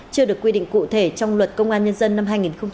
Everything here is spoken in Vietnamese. chưa được quy định cụ thể trong luật công an nhân dân năm hai nghìn một mươi ba